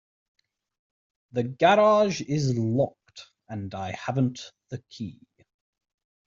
The garage is locked; and I haven't the key.